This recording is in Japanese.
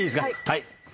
はい。